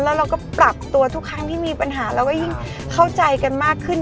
แล้วเราก็ปรับตัวทุกครั้งที่มีปัญหาเราก็ยิ่งเข้าใจกันมากขึ้น